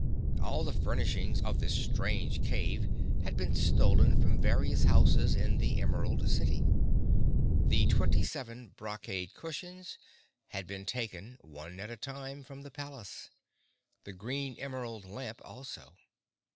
All the furnishings of this strange cave had been stolen from various houses in the Emerald City. The twenty seven brocade cushions had been taken, one at a time from the palace; the green emerald lamp also.